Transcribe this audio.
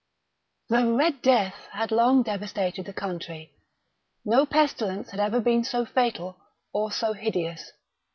The "Red Death" had long devastated the country. No pestilence had ever been so fatal, or so hideous.